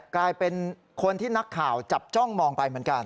กลายเป็นคนที่นักข่าวจับจ้องมองไปเหมือนกัน